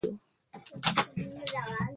د ماینونو نښې وپېژنو او نورو ته یې هم ور وښیو.